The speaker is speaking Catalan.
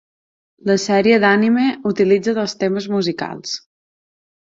La sèrie d'anime utilitza dos temes musicals.